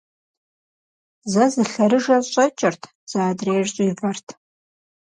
Зэ зы лъэрыжэр щӀэкӀырт, зэ адрейр щӀивэрт.